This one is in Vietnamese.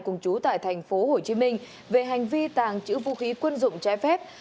cùng chú tại tp hcm về hành vi tàng trữ vũ khí quân dụng trái phép